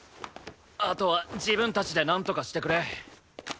あとは自分たちでなんとかしてくれ。